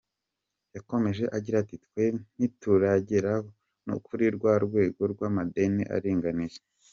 Yakomeje agira ati “Twe ntituragera no kuri rwa rwego rw’amadeni aringaniye.